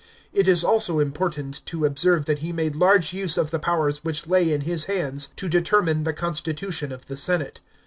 It is also important to observe that he made large use of the powers which lay in his hands to determine the consti tution of the senate.